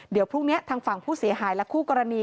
เดี๋ยวพรุ่งนี้ทางฝั่งผู้เสียหายและคู่กรณี